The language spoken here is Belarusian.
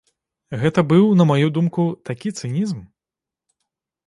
Гэта быў, на маю думку, такі цынізм.